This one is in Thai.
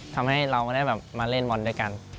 ทำให้เราไม่ได้แบบมาเล่นบอลด้วยกัน